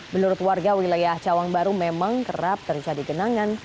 menurut warga wilayah cawang baru memang kerap terjadi genangan